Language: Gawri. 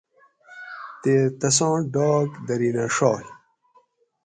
تے تساں ڈاک درینہ ڛاگ